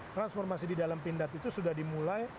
transformasi di dalam pindad itu sudah dimulai